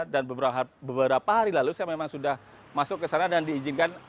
dan beberapa hari lalu saya memang sudah masuk ke sana dan diizinkan